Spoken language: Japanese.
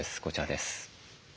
こちらです。